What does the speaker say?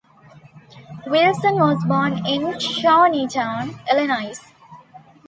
Wilson was born in Shawneetown, Illinois.